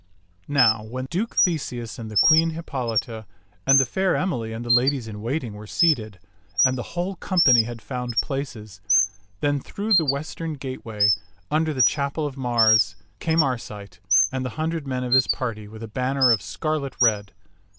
Now when Duke Theseus and the Queen Hippolita and the fair Emily and the ladies in waiting were sealed and the whole company had found places, then through the western gateway, under the chapel of Mars, came Arcite and the hundred men of his party with a banner of scarlet red.